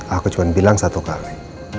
aku cuma bilang satu kali